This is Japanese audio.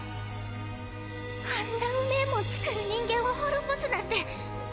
あんなうめぇもん作る人間を滅ぼすなんて。